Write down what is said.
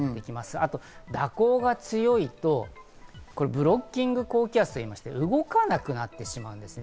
あと蛇行が強いとブロッキング高気圧といいまして、動かなくなってしまうんですね。